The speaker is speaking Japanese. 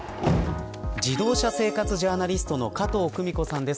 自動車生活ジャーナリストの加藤久美子さんです。